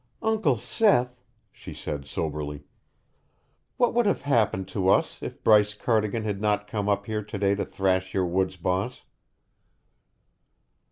"Uncle Seth," she said soberly, "what would have happened to us if Bryce Cardigan had not come up here to day to thrash your woods boss?"